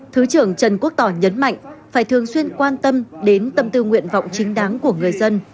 thứ trưởng trần quốc tỏ nhấn mạnh phải thường xuyên quan tâm đến tâm tư nguyện vọng chính đáng của người dân